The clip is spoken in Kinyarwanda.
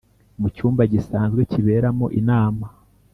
mu cyumba gisanzwe kiberamo inama